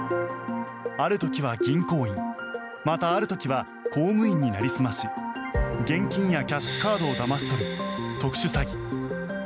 ある時は銀行員またある時は公務員になりすまし現金やキャッシュカードをだまし取る特殊詐欺。